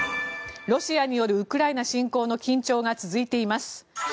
ロシアによるウクライナ侵攻の緊張が続いています。